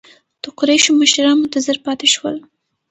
د قریشو مشران منتظر پاتې شول.